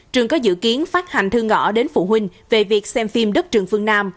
trường có dự kiến phát hành thư ngõ đến phụ huynh về việc xem phim đất trường phương nam